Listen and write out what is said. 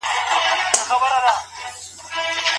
د خلګو نظارت څنګه ترسره کیږي؟